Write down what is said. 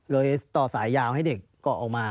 ต่อสายยาวให้เด็กเกาะออกมา